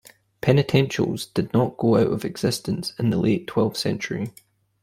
Penitentials did not go out of existence in the late twelfth century.